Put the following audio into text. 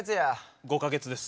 ５か月です。